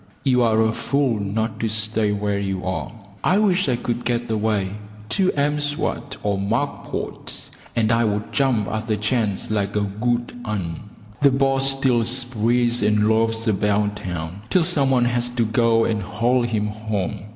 You are a fool not to stay where you are. I wish I could get away to M'Swat or Mack Pot, and I would jump at the chance like a good un. The boss still sprees and loafs about town till some one has to go and haul him home.